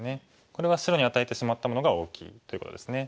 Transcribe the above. これは白に与えてしまったものが大きいということですね。